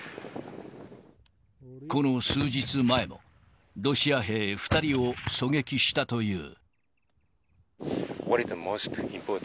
この数日前も、ロシア兵２人を狙撃したという。